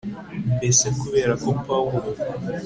mbese kubera ko pawulo